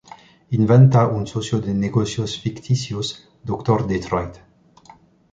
Inventa un socio de negocios ficticios, Doctor Detroit.